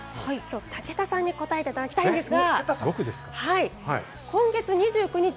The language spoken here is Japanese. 武田さんに答えていただきたいんですが。